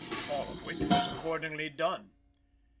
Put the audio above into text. All of which was accordingly done.